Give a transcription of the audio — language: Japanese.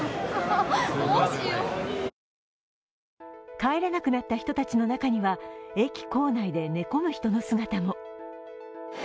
帰れなくなった人たちの中には、駅構内で寝込む人の姿も。